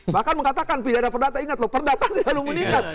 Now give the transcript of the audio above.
bahkan mengatakan pidana perdata ingat loh perdata tidak ada imunitas